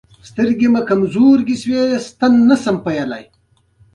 ځمکنی شکل د افغانستان د پوهنې په نصاب کې شامل دي.